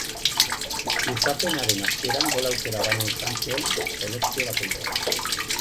Luzapenaren hasieran gol aukera bana izan zuen selekzio bakoitzak.